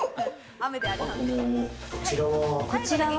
こちらは？